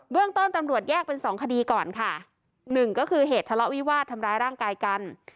เรื่องต้นตำรวจแยกเป็นสองคดีก่อนค่ะหนึ่งก็คือเหตุทะเลาะวิวาสทำร้ายร่างกายกัน